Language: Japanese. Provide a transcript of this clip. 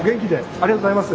ありがとうございます。